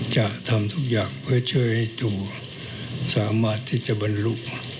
จะทำทุกอย่างเพื่อช่วยให้จุ่มสามารถที่จะบรรลุ